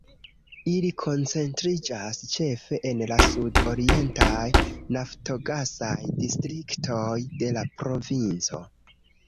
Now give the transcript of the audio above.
Ili koncentriĝas ĉefe en la sud-orientaj naftogasaj distriktoj de la provinco.